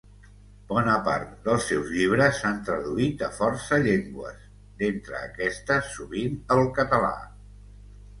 Bona part dels seus llibres s'han traduït a força llengües, d'entre aquestes sovint el català.